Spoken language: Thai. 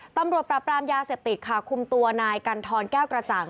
ตำรวจปราบรามยาเสพติดค่ะคุมตัวนายกันทรแก้วกระจ่าง